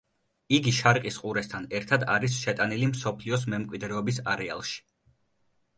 იგი შარკის ყურესთან ერთად არის შეტანილი მსოფლიოს მემკვიდრეობის არეალში.